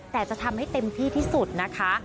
แต่จะทำให้เต็มที่ที่สุดนะคะ